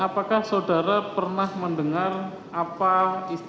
apakah saudara pernah mendengar apa istilahnya